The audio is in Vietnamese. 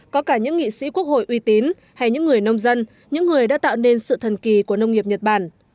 có cả những nghị sĩ quốc hội uy tín hay những người nông dân những người đã tạo nên sự thần kỳ của nông nghiệp nhật bản